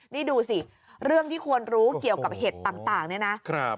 นี่ดูสิเรื่องที่ควรรู้เกี่ยวกับเห็ดต่างเนี่ยนะ